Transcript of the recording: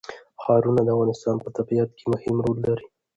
ښارونه د افغانستان په طبیعت کې مهم رول لري.